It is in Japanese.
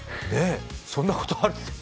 そんなことある？